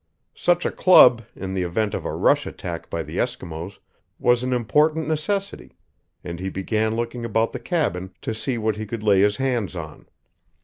Such a club, in the event of a rush attack by the Eskimos, was an important necessity, and he began looking about the cabin to see what he could lay his hands on.